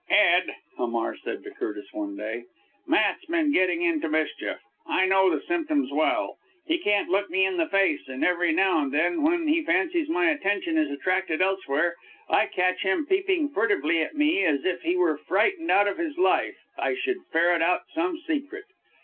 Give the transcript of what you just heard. "Ed!" Hamar said to Curtis one day. "Matt's been getting into mischief. I know the symptoms well. He can't look me in the face, and every now and then, when he fancies my attention is attracted elsewhere, I catch him peeping furtively at me as if he were frightened out of his life I should ferret out some secret.